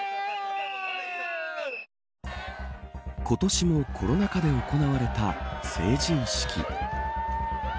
今年もコロナ禍で行われた成人式。